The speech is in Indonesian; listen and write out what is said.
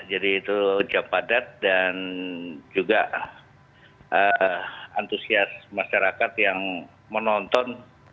jadi itu jam padat dan juga antusias masyarakat yang menonton